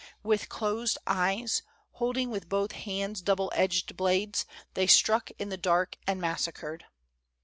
With closed eyes, holding with both hands double edged blades, they struck in the dark and massacred.